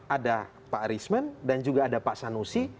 ada pak risman dan juga ada pak sanusi